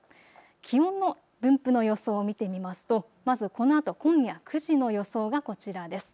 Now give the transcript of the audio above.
気温の分布の予想を見てみますとまずこのあと、今夜９時の予想がこちらです。